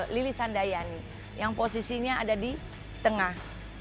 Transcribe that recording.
lili sandayani yang posisinya ada di tengah